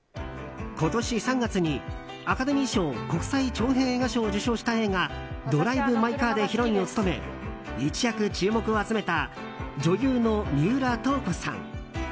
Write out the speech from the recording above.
今年３月にアカデミー賞国際長編映画賞を受賞した映画「ドライブ・マイ・カー」でヒロインを務め一躍注目を集めた女優の三浦透子さん。